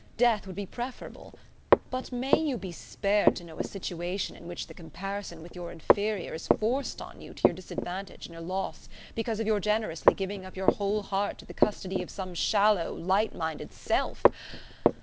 Death would be preferable. But may you be spared to know a situation in which the comparison with your inferior is forced on you to your disadvantage and your loss because of your generously giving up your whole heart to the custody of some shallow, light minded, self